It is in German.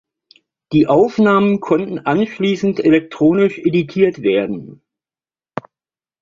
Die Aufnahmen konnten anschließend elektronisch editiert werden.